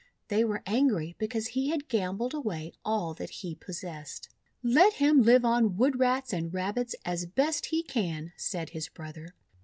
They were angry because he had gambled away all that he possessed. "Let him live on Wood Rats and Rabbits as best he can," said his brother.